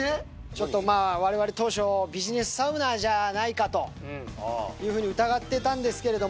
ちょっとまあ、われわれ当初、ビジネスサウナーじゃないかと、いうふうに疑っていたんですけど。